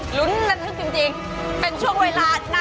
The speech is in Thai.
หลุ้นมันจริงเป็นช่วงเวลาหน้าที่ที่